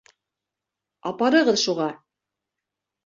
Апарығыҙ шуға!